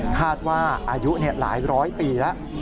คาดว่าอายุหลายร้อยปีแล้ว